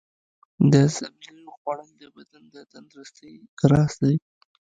د سبزیو خوړل د بدن د تندرستۍ راز دی.